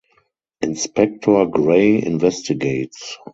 Inspector Grey investigates.